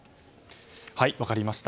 分かりました。